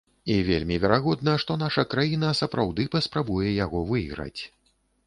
І вельмі верагодна, што наша краіна сапраўды паспрабуе яго выйграць.